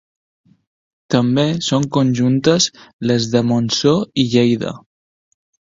També són conjuntes les de Montsó i Lleida.